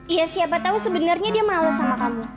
iya siapa tau sebenernya dia malu sama kamu